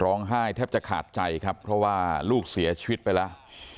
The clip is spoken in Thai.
แทบจะขาดใจครับเพราะว่าลูกเสียชีวิตไปแล้ว